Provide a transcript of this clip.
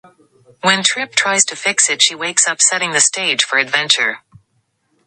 When Tripp tries to fix it she wakes up setting the stage for adventure.